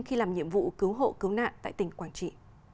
khi làm nhiệm vụ cứu hộ cứu nạn tại tỉnh quảng trị